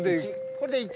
これで１。